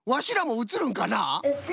うつる？